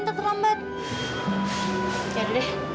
itu kan tugasan